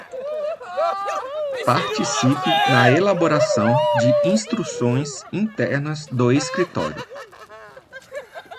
Participe na elaboração de instruções internas do Escritório.